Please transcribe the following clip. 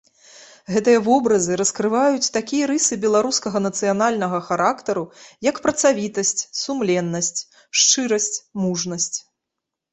Гэтыя вобразы раскрываюць такія рысы беларускага нацыянальнага характару, як працавітасць, сумленнасць, шчырасць, мужнасць.